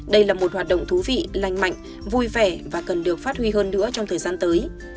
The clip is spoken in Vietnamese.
đây là một hoạt động thú vị lành mạnh vui vẻ và cần được phát huy hơn nữa trong thời gian tới